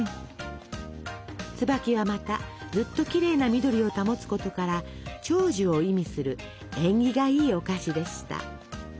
つばきはまたずっときれいな緑を保つことから「長寿」を意味する縁起がいいお菓子でした。